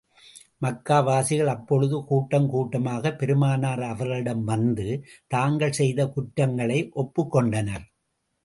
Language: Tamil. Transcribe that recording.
மக்கா வாசிகள் அப்பொழுது கூட்டம் கூட்டமாகப் பெருமானார் அவர்களிடம் வந்து, தாங்கள் செய்த குற்றங்களை ஒப்புக் கொண்டனர்.